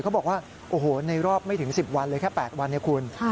เขาบอกว่าโอ้โหในรอบไม่ถึง๑๐วันเลยแค่๘วันเนี่ยคุณ